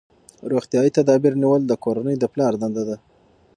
روغتیايي تدابیر نیول د کورنۍ د پلار دنده ده.